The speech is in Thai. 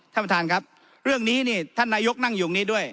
ท่านประธานครับเรื่องนี้นี่ท่านนายกนั่งอยู่ตรงนี้ด้วย